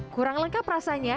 kurang lengkap rasanya